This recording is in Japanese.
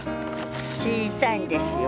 小さいんですよ